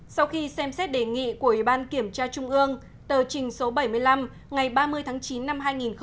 sau khi xem xét đề nghị của ủy ban kiểm tra trung ương tờ trình số bảy mươi năm ngày ba mươi tháng chín năm hai nghìn một mươi chín